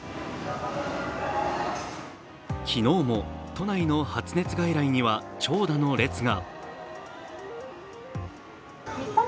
昨日も都内の発熱外来には長蛇の列が。